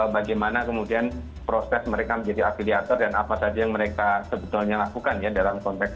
bagaimana kemudian proses mereka menjadi afiliator dan apa saja yang mereka sebetulnya lakukan ya dalam konteks